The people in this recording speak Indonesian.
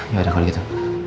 yaudah kalau gitu